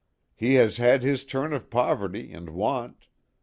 He has had his turn of poverty and want.